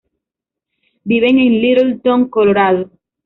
Viven en Littleton, Colorado.